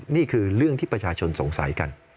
นี่คือเรื่องที่ประชาชนสงสัยกัน